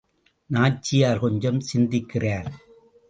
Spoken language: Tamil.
நாச்சியார் கொஞ்சம் சிந்திக்கிறார்.